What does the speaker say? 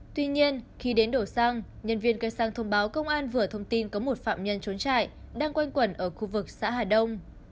tuy nhiên khi đến đổ xăng nhân viên cây xăng thông báo công an vừa thông tin có một phạm nhân trốn trại đang quanh quẩn ở khu vực xã hà đông